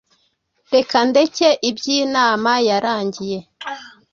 Reka ndeke iby’inama yarangiye